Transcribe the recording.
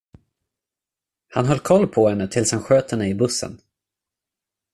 Han höll koll på henne tills han sköt henne i bussen.